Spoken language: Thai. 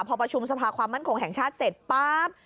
พอประชุมสภาความมั่นคงแห่งชาติเสร็จปั๊บ